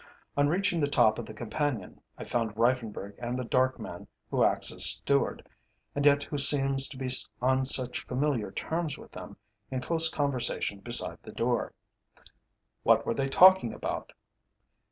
On reaching the top of the companion, I found Reiffenburg and the dark man who acts as steward, and yet who seems to be on such familiar terms with them, in close conversation beside the door." "What were they talking about?"